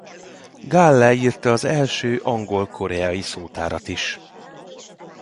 Gale írta az első angol-koreai szótárat is.